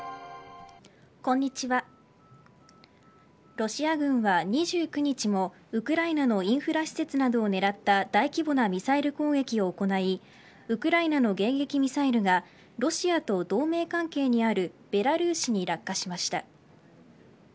ロシア軍は２９日もウクライナのインフラ施設などを狙った大規模なミサイル攻撃を行いウクライナの迎撃ミサイルがロシアと同盟関係にあるベラルーシに落下しました。